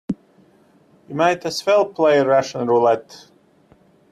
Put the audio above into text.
You might as well play Russian roulette.